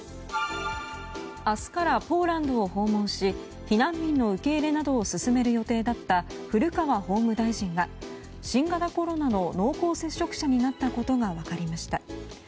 明日からポーランドを訪問し避難民の受け入れなどを進める予定だった古川法務大臣が新型コロナの濃厚接触者になったことが分かりました。